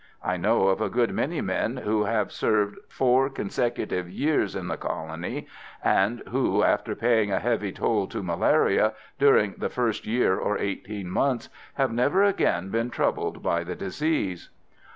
I know of a good many men who have served four consecutive years in the colony, and who, after paying a heavy toll to malaria, during the first year or eighteen months, have never again been troubled by the disease.